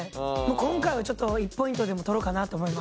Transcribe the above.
今回はちょっと１ポイントでも取ろうかなと思います。